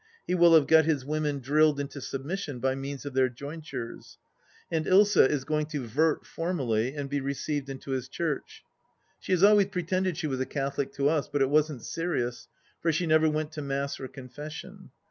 He will have got his women drilled into submission by means of their jointures. And Ilsa is going to " vert " formally, and be received into his Church. She has always pretended she was a Catholic to us, but it wasn't serious, for she never went to Mass or Confession.